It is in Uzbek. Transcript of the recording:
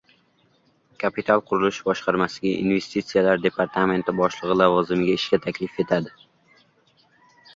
Kapital qurilish boshqarmasiga investitsiyalar departamenti boshligʻi lavozimiga ishga taklif etadi.